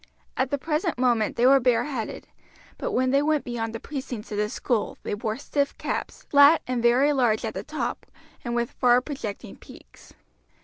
At the present moment they were bareheaded; but when they went beyond the precincts of the school they wore stiff caps, flat and very large at the top, and with far projecting peaks.